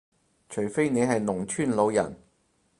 除非你係農村老人